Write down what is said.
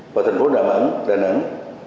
và thành phố đà nẵng